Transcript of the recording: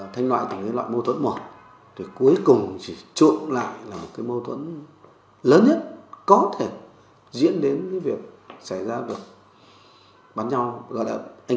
thanh loại là một loại mâu thuẫn mỏ